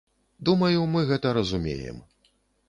Думаю, мы гэта разумеем.